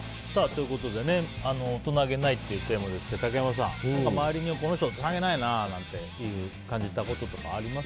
大人げないというテーマですが竹山さん周りにこの人、大人げないなって感じたことあります？